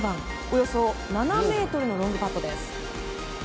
およそ７ｍのロングパットです。